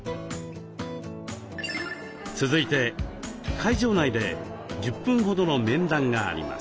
続いて会場内で１０分ほどの面談があります。